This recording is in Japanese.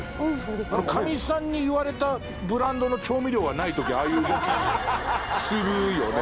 かみさんに言われたブランドの調味料がないときああいう動きするよね。